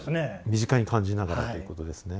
身近に感じながらということですね。